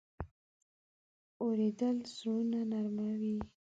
اورېدل زړونه نرمه وي.